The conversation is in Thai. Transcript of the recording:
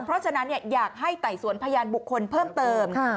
เพราะฉะนั้นอยากให้ไต่สวนพยานบุคคลเพิ่มเติม